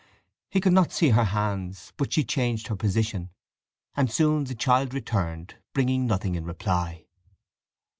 He could not see her hands, but she changed her position, and soon the child returned, bringing nothing in reply.